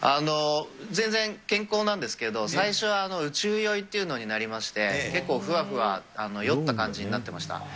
全然健康なんですけれども、最初は宇宙酔いっていうのになりまして、結構ふわふわ、酔った感じになってました。